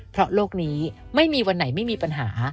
เพราะโลกนี้ไม่มีวันไหนไม่มีปัญหา